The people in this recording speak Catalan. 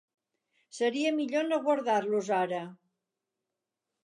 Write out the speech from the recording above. Seria millor no guardar-los ara.